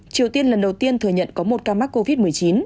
triều tiên lần đầu tiên thừa nhận có một ca mắc covid một mươi chín